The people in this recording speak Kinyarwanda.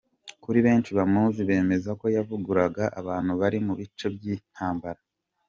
Kuri benshi bamuzi bemeza ko yavugiraga abantu bari mu bice by’intambara.